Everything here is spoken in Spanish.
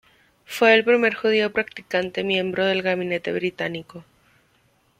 Fue el primer judío practicante miembro del gabinete británico.